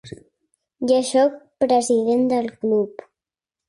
Ja soc president del club.